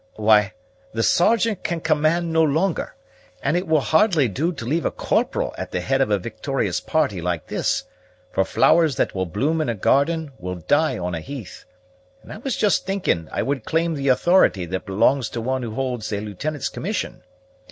"Why, the Sergeant can command no longer, and it will hardly do to leave a corporal at the head of a victorious party like this; for flowers that will bloom in a garden will die on a heath; and I was just thinking I would claim the authority that belongs to one who holds a lieutenant's commission.